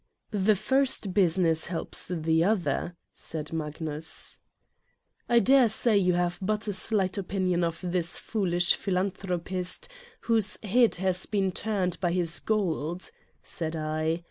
"The first business helps the other," said Magnus. "I dare say you have but a slight opinion of this foolish philanthropist whose head has been turned by his gold," said I.